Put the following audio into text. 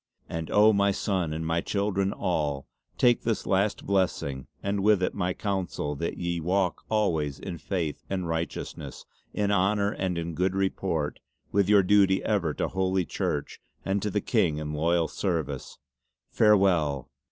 "And oh, my sonne, and my children all, take this my last blessing and with it my counsel that ye walk always in Faith and Righteousness, in Honour and in Good Report, with your duty ever to Holy Church and to the King in loyal service. Farewell!